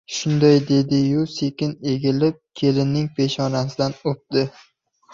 — Shunday dedi-yu sekin egilib, kelinning peshonasidan o‘pdi.